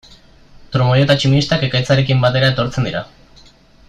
Trumoi eta tximistak ekaitzarekin batera etortzen dira.